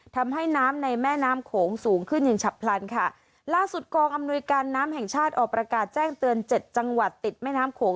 ทำให้น้ำในแม่น้ำโขงสูงขึ้นอย่างฉับพลันค่ะล่าสุดกองอำนวยการน้ำแห่งชาติออกประกาศแจ้งเตือนเจ็ดจังหวัดติดแม่น้ำโขง